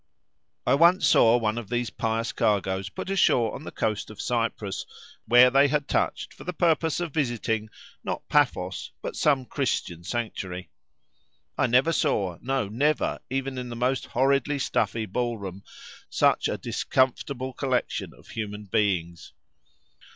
I once saw one of these pious cargoes put ashore on the coast of Cyprus, where they had touched for the purpose of visiting (not Paphos, but) some Christian sanctuary. I never saw (no, never even in the most horridly stuffy ballroom) such a discomfortable collection of human beings.